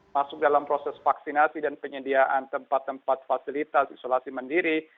masuk dalam proses vaksinasi dan penyediaan tempat tempat fasilitas isolasi mandiri